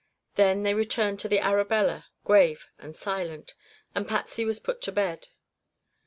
Then they returned to the Arabella, grave and silent, and Patsy was put to bed.